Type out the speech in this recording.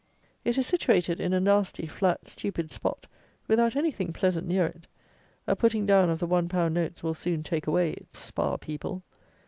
It is situated in a nasty, flat, stupid spot, without anything pleasant near it. A putting down of the one pound notes will soon take away its spa people.